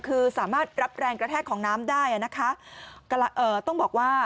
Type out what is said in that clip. คือสามารถรับแรงกระแทกของน้ำได้อ่ะนะคะเอ่อต้องบอกว่า